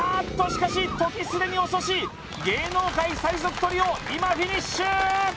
しかし時すでに遅し芸能界最速トリオ今フィニッシュ！